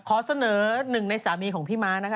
ขอเสนอหนึ่งในสามีของพี่ม้านะคะ